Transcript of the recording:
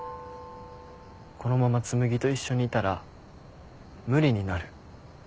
このまま紬と一緒にいたら無理になる。